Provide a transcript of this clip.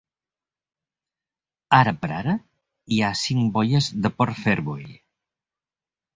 Ara per ara hi ha cinc boies de port Fairway.